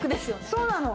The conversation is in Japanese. そうなの。